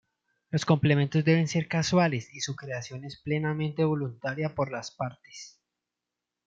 Los complementos deben ser casuales y su creación es plenamente voluntaria por las partes.